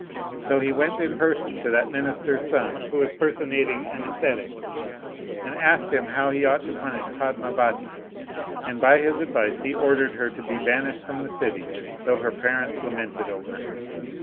So he went in person to that minister's son, who was personating an ascetic, and asked him how he ought to punish Padmavati; and by his advice he ordered her to be banished from the city, though her parents lamented over her.